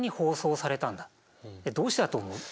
どうしてだと思う？